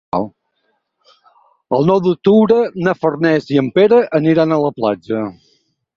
El nou d'octubre na Farners i en Pere aniran a la platja.